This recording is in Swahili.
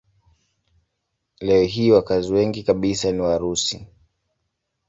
Leo hii wakazi wengi kabisa ni Warusi.